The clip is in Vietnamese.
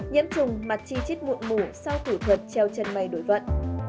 nhiễm trùng mặt chi chít mụn mủ sau thủ thuật treo chân mây đối vận